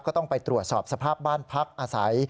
ก็ต้องไปตรวจสอบสภาพบ้านพักอาศัย